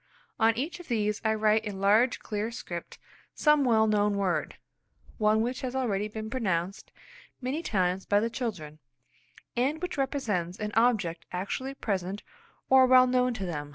On each of these I write in large clear script some well known word, one which has already been pronounced many times by the children, and which represents an object actually present or well known to them.